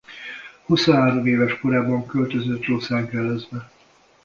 Huszonhárom éves korában költözött Los Angelesbe.